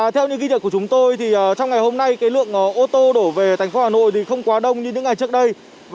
theo những ghi nhận của chúng tôi thì trong ngày hôm nay lượng ô tô đổ về thành phố hà nội không quá đông như những ngày trước đây